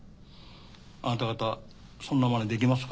あなた方そんな真似できますか？